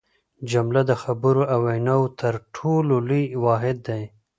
جمله د خبرو او ویناوو تر ټولو لوی واحد دئ.